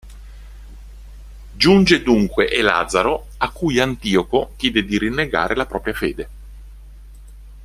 Giunge dunque Eleazaro, a cui Antioco chiede di rinnegare la propria fede.